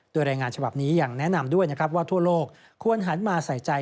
โดยรายงานฉบับนี้ยังแนะนำด้วยนะครับว่าทั่วโลกควรหันมาใส่ใจ